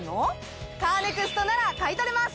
カーネクストなら買い取れます！